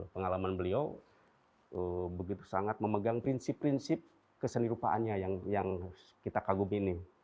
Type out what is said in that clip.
pengalaman beliau begitu sangat memegang prinsip prinsip keseni rupaannya yang kita kagumi ini